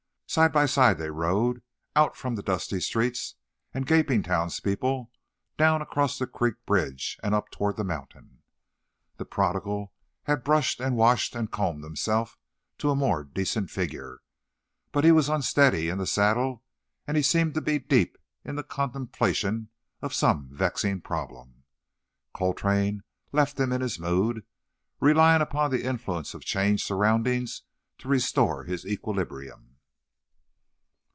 Side by side they rode, out from the dusty streets and gaping townspeople, down across the creek bridge, and up toward the mountain. The prodigal had brushed and washed and combed himself to a more decent figure, but he was unsteady in the saddle, and he seemed to be deep in the contemplation of some vexing problem. Coltrane left him in his mood, relying upon the influence of changed surroundings to restore his equilibrium.